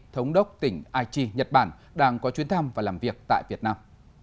thống đốc tỉnh aichi nhật bản đang có chuyến thăm và làm việc tại việt nam